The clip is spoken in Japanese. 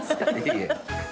いえ。